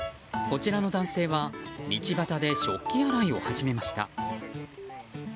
こちらの男性は道端で食器洗いを始めました。